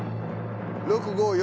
６５４。